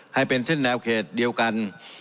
ให้เป็นเส้นแนวเขตเดียวกัน